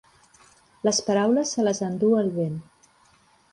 Les paraules se les enduu el vent.